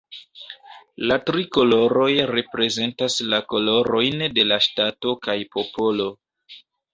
La tri koloroj reprezentas la kolorojn de la ŝtato kaj popolo.